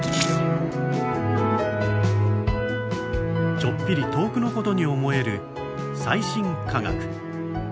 ちょっぴり遠くのことに思える最新科学。